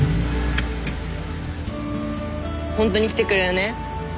本当に来てくれるね？